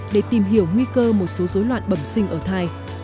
để tìm hiểu nguy cơ một số dối loạn bẩm sinh ở thai